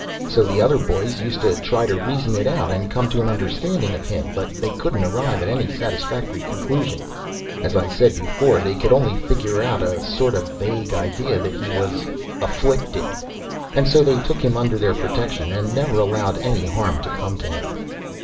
So the other boys used to try to reason it out and come to an understanding of him, but they couldn't arrive at any satisfactory conclusion. As I said before, they could only figure out a sort of vague idea that he was "afflicted," and so they took him under their protection, and never allowed any harm to come to him.